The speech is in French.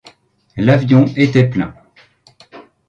L'avion était plein.